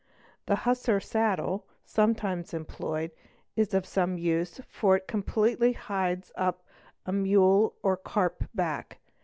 The hussar saddle, sometimes employed, is of some use, for it completely hides up a mule or carp back.